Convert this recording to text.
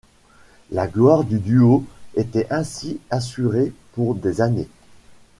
La gloire du duo était ainsi assurée pour des années.